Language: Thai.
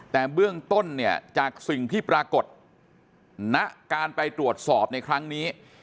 แต่เบื้องต้นเนี่ยจากสิ่งที่ปรากฏณการไปตรวจสอบในครั้งนี้